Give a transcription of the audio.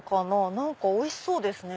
何かおいしそうですね。